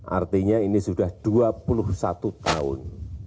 artinya ini sudah dua puluh satu tahun